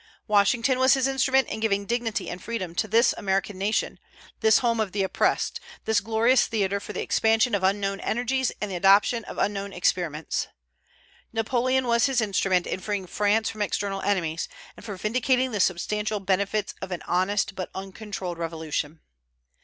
Washington was His instrument in giving dignity and freedom to this American nation, this home of the oppressed, this glorious theatre for the expansion of unknown energies and the adoption of unknown experiments. Napoleon was His instrument in freeing France from external enemies, and for vindicating the substantial benefits of an honest but uncontrolled Revolution.